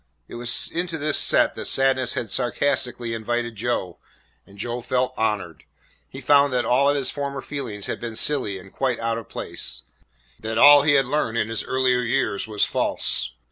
It was into this set that Sadness had sarcastically invited Joe, and Joe felt honoured. He found that all of his former feelings had been silly and quite out of place; that all he had learned in his earlier years was false.